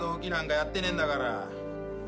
やってねえんだから。